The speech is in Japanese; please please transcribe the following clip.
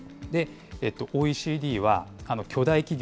ＯＥＣＤは巨大企業